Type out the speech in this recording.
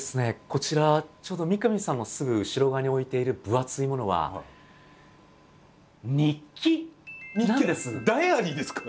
こちらちょうど三上さんのすぐ後ろ側に置いている分厚いものはダイアリーですか？